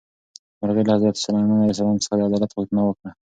مرغۍ له حضرت سلیمان علیه السلام څخه د عدالت غوښتنه وکړه.